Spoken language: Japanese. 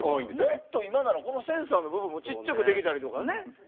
もっと今ならこのセンサーの部分もちっちゃくできたりとかね。